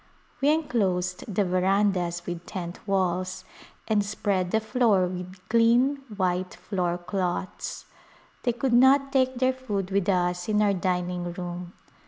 We enclosed the verandas with tent walls and spread the floor with clean white floor cloths. They could not take their food with us in our dining room.